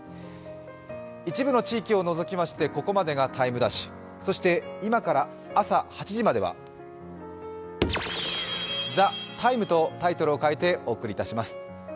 一部の地域を除きましてここまでが「ＴＩＭＥ’」、そして今から朝８時までが「ＴＨＥＴＩＭＥ，」とタイトルを変えてお送りいたします。